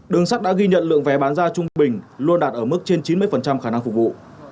đường sắt đã ghi nhận lượng vé bán ra trung bình luôn đạt ở mức trên chín mươi khả năng phục vụ